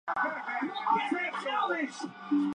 Millones más fueron desplazadas por la fuerza.